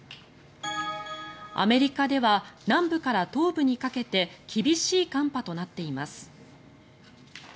アメリカでは南部から東部にかけて厳しい寒波となっています。